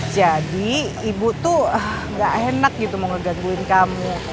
jadi ibu tuh gak enak gitu mau ngegangguin kamu